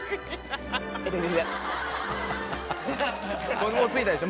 これもうついたでしょ。